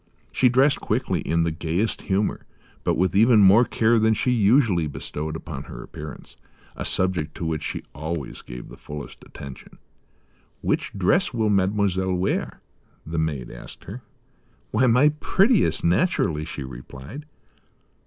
She dressed quickly, in the gayest humour, but with even more care than she usually bestowed upon her appearance; a subject to which she always gave the fullest attention. "Which dress will Mademoiselle wear?" the maid asked her. "Why, my prettiest, naturally," she replied.